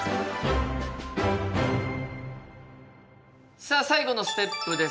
さあ最後のステップです。